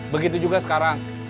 begitu juga sekarang